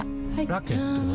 ラケットは？